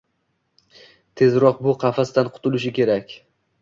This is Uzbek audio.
Tezroq bu qafasdan qutulishi kerak.